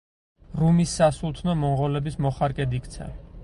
რუმის სასულთნო მონღოლების მოხარკედ იქცა.